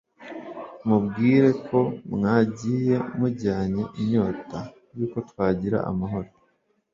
Mubwire ko mwagiye mujyanye inyota y'uko twagira amahoro,